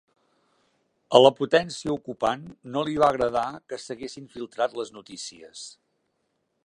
A la potència ocupant no li va agradar que s'haguessin filtrat les notícies.